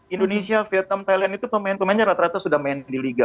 indonesia vietnam thailand itu pemain pemainnya rata rata sudah main di liga